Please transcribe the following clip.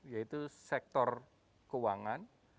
yaitu sektor keuangan